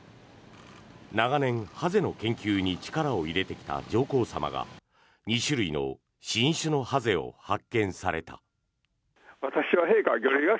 長年ハゼの研究に力を入れてきた上皇さまが２種類の新種のハゼを発見された。